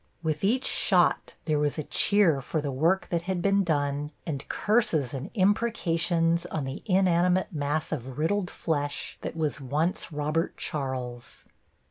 With each shot there was a cheer for the work that had been done and curses and imprecations on the inanimate mass of riddled flesh that was once Robert Charles.